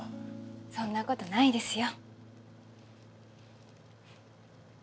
そんな事ないですよ。